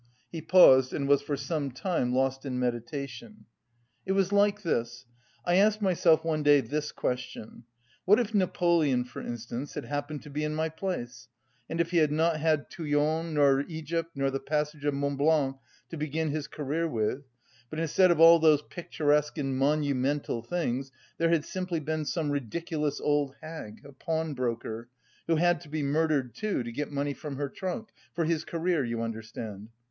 He paused and was for some time lost in meditation. "It was like this: I asked myself one day this question what if Napoleon, for instance, had happened to be in my place, and if he had not had Toulon nor Egypt nor the passage of Mont Blanc to begin his career with, but instead of all those picturesque and monumental things, there had simply been some ridiculous old hag, a pawnbroker, who had to be murdered too to get money from her trunk (for his career, you understand).